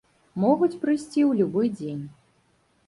Могуць прыйсці ў любы дзень.